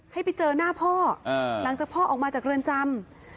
ให้ไปเจอหน้าพ่อหลังจากพ่อออกมาจากเรือนจำ